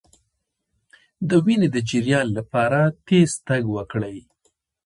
د وینې د جریان لپاره تېز تګ وکړئ